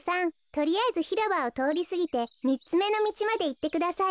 とりあえずひろばをとおりすぎてみっつめのみちまでいってください。